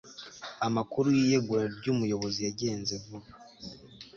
amakuru y'iyegura ry'umuyobozi yagenze vuba